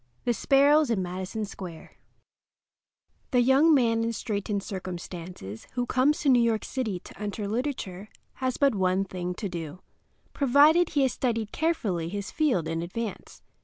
THE SPARROWS IN MADISON SQUARE The young man in straitened circumstances who comes to New York City to enter literature has but one thing to do, provided he has studied carefully his field in advance.